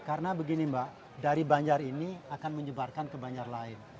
karena begini mbak dari banjar ini akan menyebarkan ke banjar lain